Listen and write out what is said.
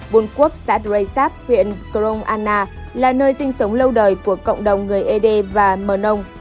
buôn quốc xã dreysab huyện krong anna là nơi sinh sống lâu đời của cộng đồng người ế đê và mờ nông